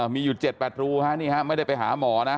มีอยู่๗๘รูไม่ได้ไปหาหมอนะ